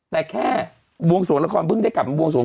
แต่แค่บวงสวงละครเพิ่งได้กลับมาบวงสวง